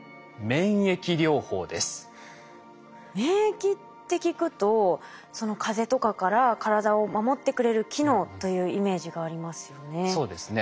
免疫って聞くと風邪とかから体を守ってくれる機能というイメージがありますよね。